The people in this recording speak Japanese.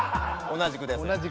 同じくですか。